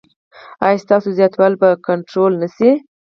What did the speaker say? ایا ستاسو زیاتوالی به کنټرول نه شي؟